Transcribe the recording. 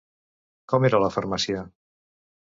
Com era la farmàcia?